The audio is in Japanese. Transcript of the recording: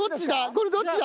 これどっちだ？